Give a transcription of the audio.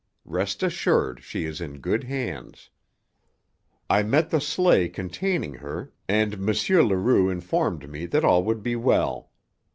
Rest assured she is in good hands. I met the sleigh containing her, and M. Leroux informed me that all would be well.